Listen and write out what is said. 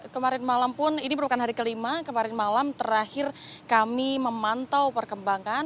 kemarin malam pun ini merupakan hari kelima kemarin malam terakhir kami memantau perkembangan